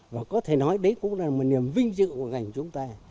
và có thể nói đấy cũng là một niềm vinh dự của ngành chúng ta